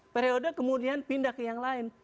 periode kemudian pindah ke yang lain